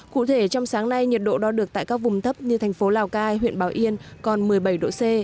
cụ thể trong sáng nay nhiệt độ đo được tại các vùng thấp như thành phố lào cai huyện bảo yên còn một mươi bảy độ c